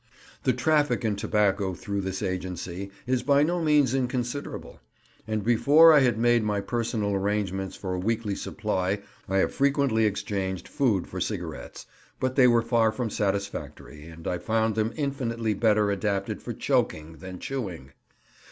The traffic in tobacco through this agency is by no means inconsiderable, and before I had made my personal arrangements for a weekly supply I have frequently exchanged food for cigarettes; but they were far from satisfactory, and I found them infinitely better adapted for choking than chewing.